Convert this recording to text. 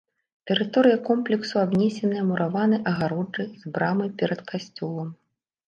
Тэрыторыя комплексу абнесеная мураванай агароджай з брамай перад касцёлам.